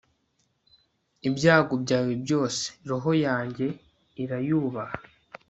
ibyago byawe byose, roho yanjye irayubaha